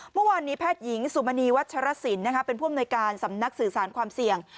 เมื่อวานนี้แพทย์หญิงสุมณีวัชรสินเป็นผู้อำนวยการสำนักสื่อสารความเสี่ยง